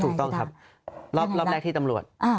ถูกต้องครับรอบแรกที่ตำรวจ